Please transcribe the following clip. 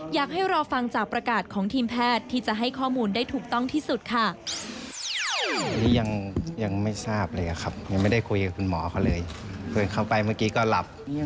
อยากให้รอฟังจากประกาศของทีมแพทย์ที่จะให้ข้อมูลได้ถูกต้องที่สุดค่ะ